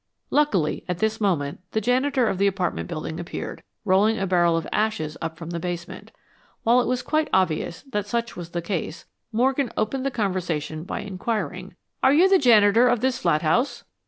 Luckily, at this moment the janitor of the apartment building appeared, rolling a barrel of ashes up from the basement. While it was quite obvious that such was the case, Morgan opened the conversation by inquiring, "Are you the janitor of this flat house?"